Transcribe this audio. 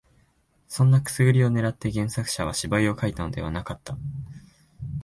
そんなくすぐりを狙って原作者は芝居を書いたのではなかった